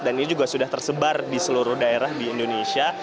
dan ini juga sudah tersebar di seluruh daerah di indonesia